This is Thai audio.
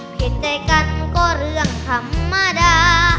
เห็นใจกันก็เรื่องธรรมดา